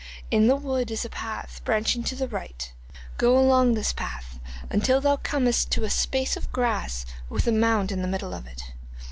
In the wood is a path branching to the right; go along this path until thou comest to a space of grass with a mound in the middle of it.